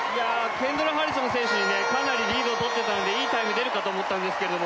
ケンドラ・ハリソン選手にかなりリードをとってたんでいいタイム出るかと思ったんですけれども